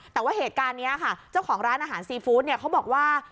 แต่ว่าเหตุการณ์นี้ค่ะเจ้าของร้านอาหารซีฟู้ดเนี่ยเขาบอกว่า